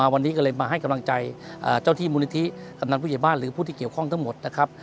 วันนี้ก็เลยมาให้กำลังใจเจ้าที่มูลนิธิกำนันผู้ใหญ่บ้านหรือผู้ที่เกี่ยวข้องทั้งหมดนะครับ